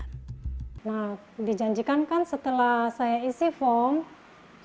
nah dijanjikan kan setelah saya ingin membeli unit ini ke bank